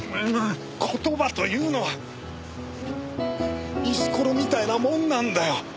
言葉というのは石ころみたいなもんなんだよ。